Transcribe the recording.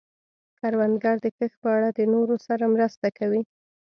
کروندګر د کښت په اړه د نورو سره مرسته کوي